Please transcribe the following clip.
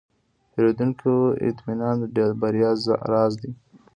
د پیرودونکو اطمینان د بریا راز دی.